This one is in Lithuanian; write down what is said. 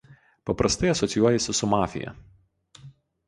Paprastai asocijuojasi su mafija.